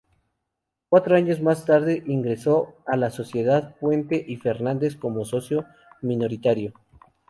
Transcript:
Cuatro años más tarde ingresó a la Sociedad Puente y Fernández como socio minoritario.